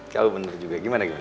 kalo bener juga gimana gimana